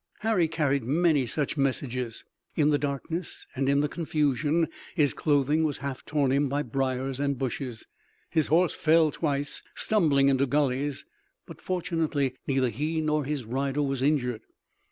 Harry carried many such messages. In the darkness and the confusion his clothing was half torn off him by briars and bushes. His horse fell twice, stumbling into gulleys, but fortunately neither he nor his rider was injured.